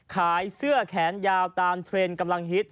ขายเสื้อแขนยาวตามเทรนด์กำลังฮิต